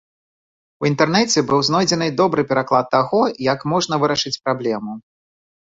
У інтэрнэце быў знойдзены добры прыклад таго, як можна вырашыць праблему.